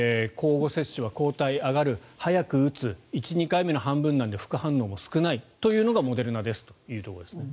交互接種は抗体が上がる早く打つ１、２回目の半分なので副反応も少ないというのがモデルナですというところです。